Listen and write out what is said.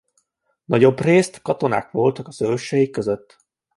Nagyobbrészt katonák voltak az ősei között.